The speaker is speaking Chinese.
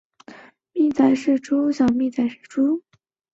孤峰山位于中国山西省万荣县东南部。